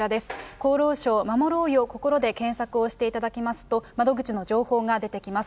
厚労省まもろうよこころで検索をしていただきますと、窓口の情報が出てきます。